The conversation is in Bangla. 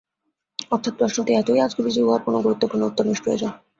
অর্থাৎ প্রশ্নটি এতই আজগুবী যে, উহার কোন গুরুত্বপূর্ণ উত্তর নিষ্প্রয়োজন।